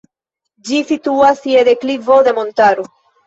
Ĝi situas je deklivo de montaro.